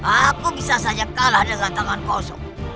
aku bisa saja kalah dengan tangan kosong